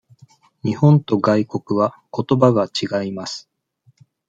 日本と外国はことばが違います。